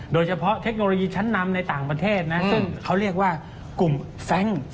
โดยเฉพาะเทคโนโลยีชั้นนำในต่างประเทศนะซึ่งเขาเรียกว่ากลุ่มแฟงค์ใช่ไหม